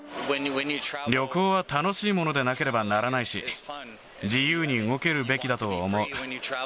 旅行は楽しいものでなければならないし、自由に動けるべきだと思う。